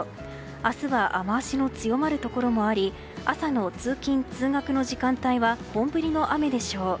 明日は雨脚の強まるところもあり朝の通勤・通学の時間帯は本降りの雨でしょう。